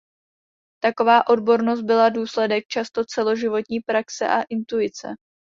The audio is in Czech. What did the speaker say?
Taková odbornost byla důsledek často celoživotní praxe a intuice.